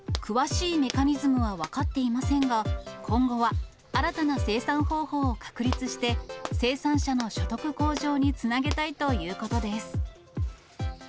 詳しいメカニズムは分かっていませんが、今後は新たな生産方法を確立して、生産者の所得向上につなげたいということです。